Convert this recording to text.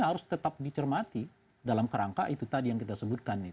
harus tetap dicermati dalam kerangka itu tadi yang kita sebutkan